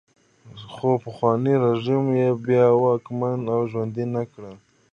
خو پخوانی رژیم یې بیا واکمن او ژوندی نه کړ.